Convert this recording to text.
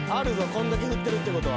こんだけ振ってるってことは。